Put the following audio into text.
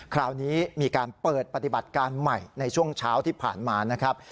คราวนี้มีการเปิดปฏิบัติการใหม่ในช่วงเช้าที่ผ่านมานะครับ